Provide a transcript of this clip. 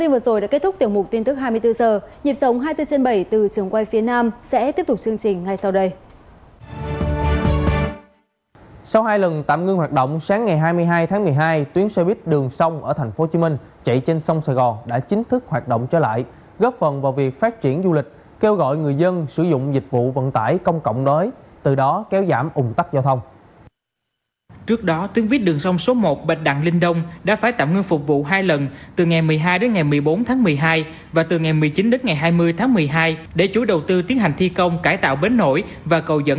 một mươi hai và từ ngày một mươi chín đến ngày hai mươi tháng một mươi hai để chối đầu tư tiến hành thi công cải tạo bến nổi và cầu dẫn